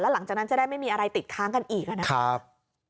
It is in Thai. หลังจากนั้นจะได้ไม่มีอะไรติดค้างกันอีกนะครับ